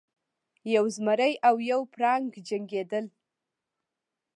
یو زمری او یو پړانګ جنګیدل.